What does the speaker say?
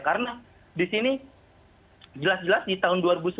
karena di sini jelas jelas di tahun dua ribu sebelas